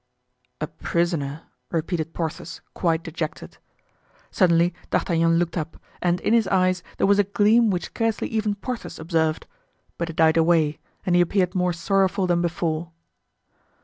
"A prisoner," repeated Porthos, quite dejected. Suddenly D'Artagnan looked up and in his eyes there was a gleam which scarcely even Porthos observed; but it died away and he appeared more sorrowful than before.